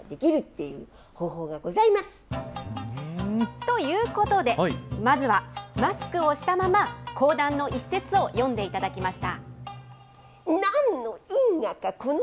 ということで、まずは、マスクをしたまま、講談の一節を読んでいただきました。